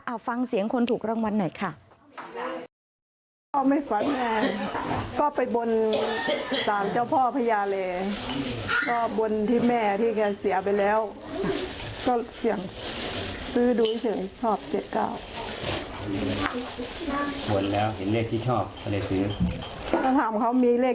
เอาฟังเสียงคนถูกรางวัลหน่อยค่ะ